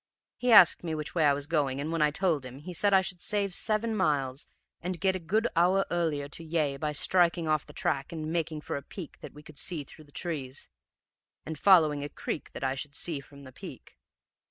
He asked me which way I was going, and, when I told him, he said I should save seven miles, and get a good hour earlier to Yea, by striking off the track and making for a peak that we could see through the trees, and following a creek that I should see from the peak.